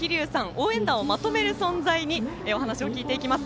応援団をまとめる存在にお話を聞いていきます。